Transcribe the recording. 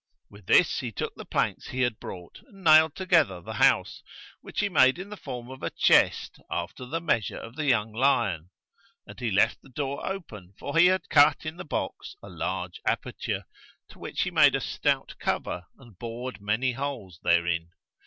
With this he took the planks he had brought and nailed together the house, which he made in the form of a chest after the measure of the young lion. And he left the door open, for he had cut in the box a large aperture, to which he made a stout cover and bored many holes therein.